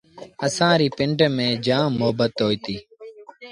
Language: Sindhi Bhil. اسآݩ ريٚ پنڊ ميݩ جآم مهبت هوئيٚتي۔